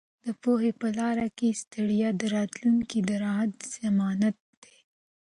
د پوهې په لاره کې ستړیا د راتلونکي د راحت ضمانت دی.